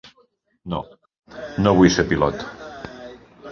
No, no vull ser pilot.